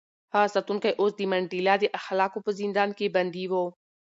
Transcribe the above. هغه ساتونکی اوس د منډېلا د اخلاقو په زندان کې بندي و.